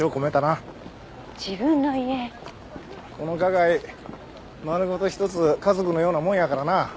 この花街丸ごと１つ家族のようなもんやからな。